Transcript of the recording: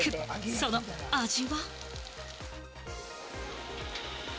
その味は。